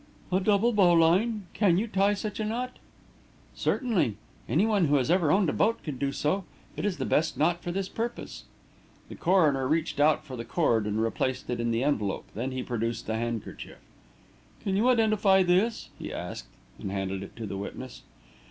"A double bowline? Can you tie such a knot?" "Certainly. Anyone who has ever owned a boat can do so. It is the best knot for this purpose." The coroner reached out for the cord and replaced it in the envelope. Then he produced the handkerchief. "Can you identify this?" he asked, and handed it to the witness.